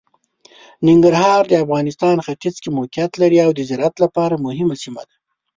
ننګرهار د افغانستان ختیځ کې موقعیت لري او د زراعت لپاره مهمه سیمه ده.